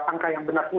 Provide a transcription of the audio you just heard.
apakah data itu semua